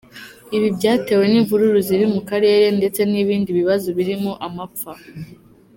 Ibi byatewe n’imvururu ziri mu karere, ndetse n’ibindi bibazo birimo amapfa.